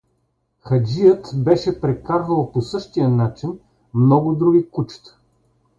Хаджият беше прекарвал по същия начин много други кучета.